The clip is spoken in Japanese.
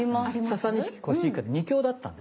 ササニシキコシヒカリの２強だったんですね。